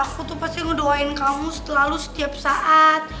pupu pasti ngedoain kamu setelah lu setiap saat